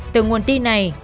từ nguồn tin này